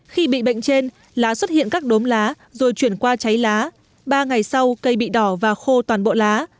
khi bị bệnh trên lá xuất hiện các đốm lá rồi chuyển qua cháy lá ba ngày sau cây bị đỏ và khô toàn bộ lá